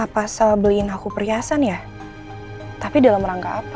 pasal beliin aku perhiasan ya tapi dalam rangka apa